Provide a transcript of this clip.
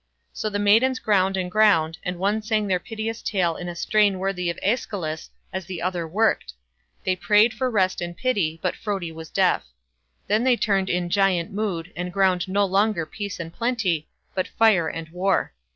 So the maidens ground and ground, and one sang their piteous tale in a strain worthy of Aeschylus as the other worked—they prayed for rest and pity, but Frodi was deaf. Then they turned in giant mood, and ground no longer peace and plenty, but fire and war.